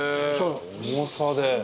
重さで。